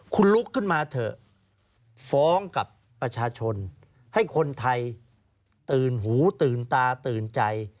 คุณลุกขึ้นมาเถอะฟ้องกับประชาชนให้คนไทยตื่นหูตื่นตาตื่นใจ